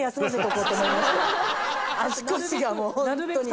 足腰がもうホントに。